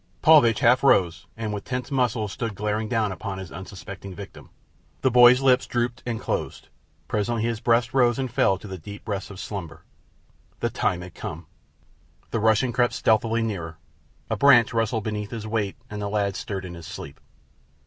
Paulvitch half rose, and with tensed muscles stood glaring down upon his unsuspecting victim. The boy's lids drooped and closed. Presently his breast rose and fell to the deep breaths of slumber. The time had come! The Russian crept stealthily nearer. A branch rustled beneath his weight and the lad stirred in his sleep.